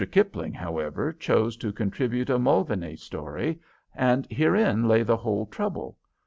Kipling, however, chose to contribute a Mulvaney story, and herein lay the whole trouble.